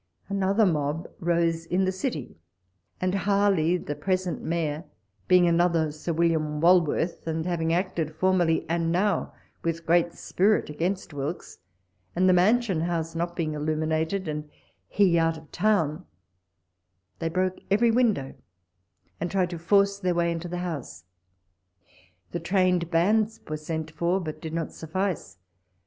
Another mob rose in the City, and Harley, the present Mayor, being another Sir William Wal worth, and having acted formerly and now with great spirit against Wilkes, and the Mansion House not being illuminated, and he out of town, they broke every window, and tried to force their way into the House. The Trained Bands were sent for, but did not suffice.